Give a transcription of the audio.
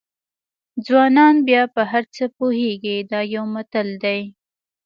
ځوانان بیا په هر څه پوهېږي دا یو متل دی.